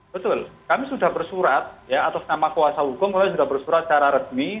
betul kami sudah bersurat ya atas nama kuasa hukum kami sudah bersurat secara resmi